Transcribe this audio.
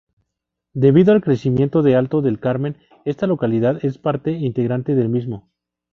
Debido al crecimiento de Alto del Carmen, esta localidad es parte integrante del mismo.